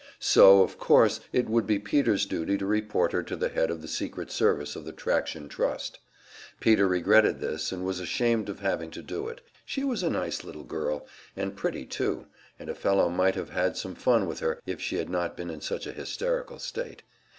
So, of course, it would be Peter's duty to report her to the head of the secret service of the Traction Trust. Peter regretted this, and was ashamed of having to do it; she was a nice little girl, and pretty, too, and a fellow might have had some fun with her if she had not been in such a hysterical state.